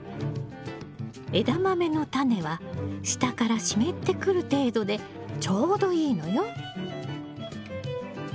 エダマメのタネは下から湿ってくる程度でちょうどいいのよ。